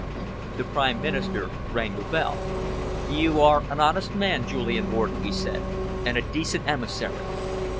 The Prime Minister rang the bell. "You are an honest man, Julian Orden," he said, "and a decent emissary.